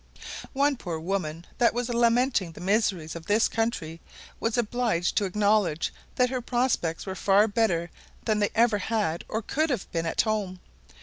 One poor woman that was lamenting the miseries of this country was obliged to acknowledge that her prospects were far better than they ever had or could have been at home.